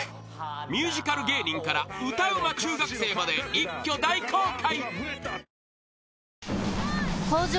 ［ミュージカル芸人から歌うま中学生まで一挙大公開］